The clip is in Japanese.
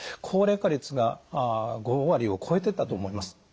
高齢化率が５割を超えてたと思います。